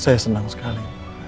saya senang sekali